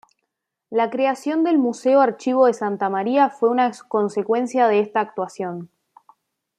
La creación del Museo Archivo de Santa Maria fue una consecuencia de esta actuación.